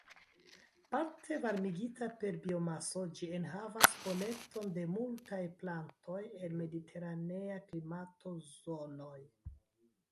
Parte varmigita per biomaso, ĝi enhavas kolekton de multaj plantoj el mediteranea klimato-zonoj.